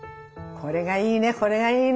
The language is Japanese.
これがいいね。